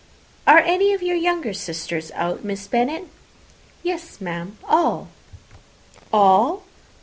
Are any of your younger sisters out, Miss Bennet?" "Yes, ma'am, all." "All!